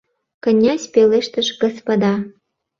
Князь пелештыш: «Господа